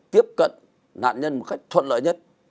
tiếp cận nạn nhân một cách thuận lợi nhất